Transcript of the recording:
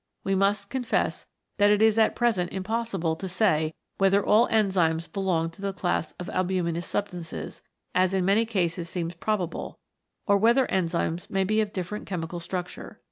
We must confess that it is at present impossible to say whether all enzymes belong to the class of al buminous substances, as in many cases seems probable, or whether enzymes may be of different chemical structure.